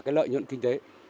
cái lợi nhuận kinh tế